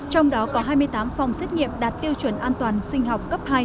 trong đó có hai mươi tám phòng xét nghiệm đạt tiêu chuẩn an toàn sinh học cấp hai